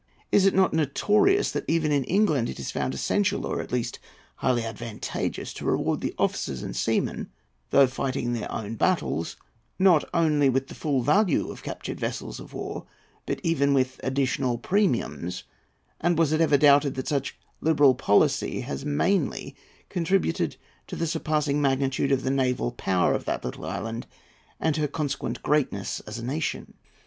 Is it not notorious that even in England it is found essential, or at least highly advantageous, to reward the officers and seamen, though fighting their own battles, not only with the full value of captured vessels of war, but even with additional premiums; and was it ever doubted that such liberal policy has mainly contributed to the surpassing magnitude of the naval power of that little island, and her consequent greatness as a nation?